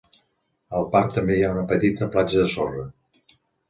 Al parc també hi ha una petita platja de sorra.